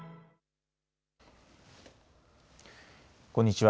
こんにちは。